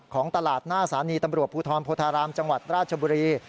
ของตลาดหน้าสถานีตำรวจภูทรโพธารามจังหวัดราชบุรี